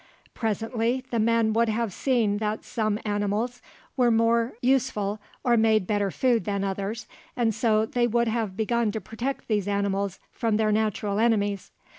Presently the men would have seen that some animals were more useful or made better food than others, and so they would have begun to protect these animals from their natural enemies.